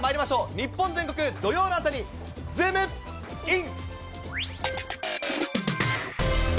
日本全国土曜の朝にズームイン！！